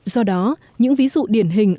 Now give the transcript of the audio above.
do đó những ví dụ điển hình